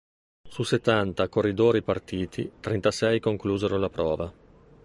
Su settanta corridori partiti, trentasei conclusero la prova.